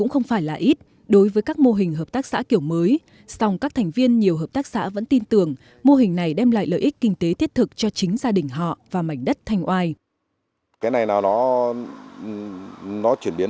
không phải là ít đối với các mô hình hợp tác xã kiểu mới song các thành viên nhiều hợp tác xã vẫn tin tưởng mô hình này đem lại lợi ích kinh tế thiết thực cho chính gia đình họ và mảnh đất thanh oai